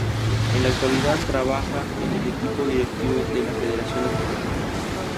En la actualidad trabaja en el equipo directivo de la Federación de Atletismo.